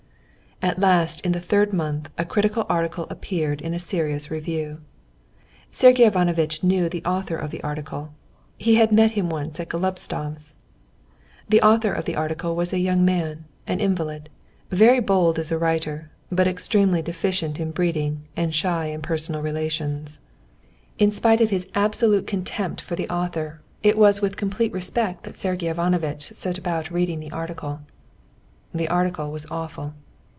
At last in the third month a critical article appeared in a serious review. Sergey Ivanovitch knew the author of the article. He had met him once at Golubtsov's. The author of the article was a young man, an invalid, very bold as a writer, but extremely deficient in breeding and shy in personal relations. In spite of his absolute contempt for the author, it was with complete respect that Sergey Ivanovitch set about reading the article. The article was awful.